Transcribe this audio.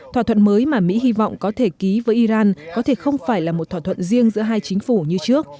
thỏa thuận mới mà mỹ hy vọng có thể ký với iran có thể không phải là một thỏa thuận riêng giữa hai chính phủ như trước